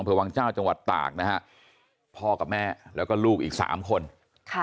วังเจ้าจังหวัดตากนะฮะพ่อกับแม่แล้วก็ลูกอีกสามคนค่ะ